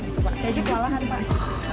saya juga kewalahan pak